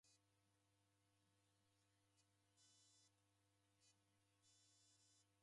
Kuseliwe kurwa kofia ya wulindiri.